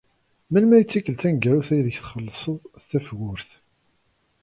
Melmi ay d tikkelt taneggarut aydeg txellṣeḍ tafgurt?